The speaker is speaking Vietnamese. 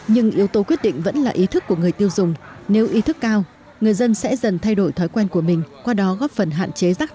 nhưng yếu tố quyết định vẫn là ý thức của người tiêu dùng nếu ý thức cao người dân sẽ dần thay đổi thói quen của mình qua đó góp phần hạn chế rác thải nhựa ra môi trường